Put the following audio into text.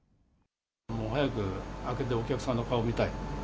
もう早く開けて、お客さんの顔見たい。